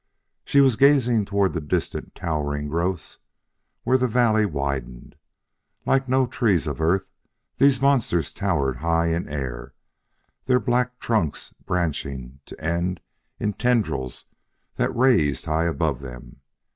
She was gazing toward distant towering growths where the valley widened. Like no trees of Earth, these monsters towered high in air, their black trunks branching to end in tendrils that raised high above them.